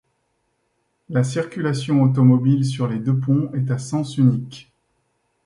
La circulation automobile sur les deux ponts est à sens unique.